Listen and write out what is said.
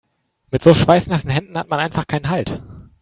Mit so schweißnassen Händen hat man einfach keinen Halt.